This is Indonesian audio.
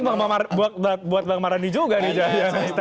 jangan jangan buat bang mardin juga nih